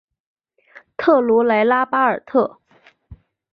特鲁莱拉巴尔特。